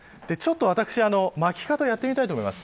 私、巻き方をやってみたいと思います。